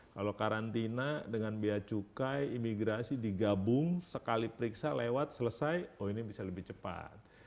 kalau karantina dengan biaya cukai imigrasi digabung sekali periksa lewat selesai oh ini bisa lebih cepat